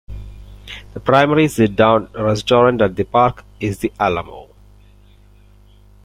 The primary sit-down restaurant at the park is the Alamo.